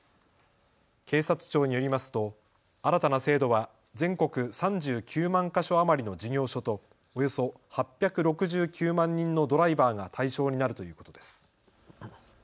警察庁によりますと新たな制度は全国３９万か所余りの事業所とおよそ８６９万人のドライバーが対象になるということです。